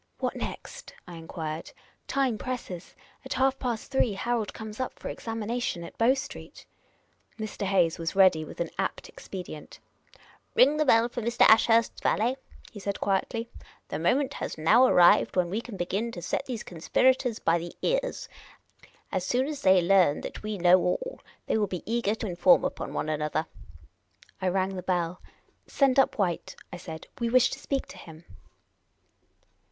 " What next ?" I enquired. " Time presses. At half past three Harold comes up for examination at Bow Street." Mr.. Hayes was ready with an apt expedient. " Ring the bell for Mr. Ashurst's valet," he said, quietly. " The mo ment has now arrived when we can begin to set these con spirators by the ears. As soon as they learn that we know all, they will be eager to inform upon one another." I raifg the bell. " Send up White," I said. " We wish to speak to him."